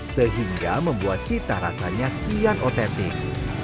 sehingga membuat cita rasanya kian otentik